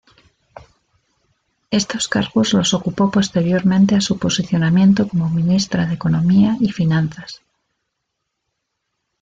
Estos cargos los ocupó posteriormente a su posicionamiento como Ministra de Economía y Finanzas.